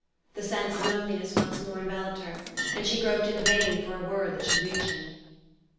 The sense of loneliness once more enveloped her, and she groped in vain for a word that should reach him.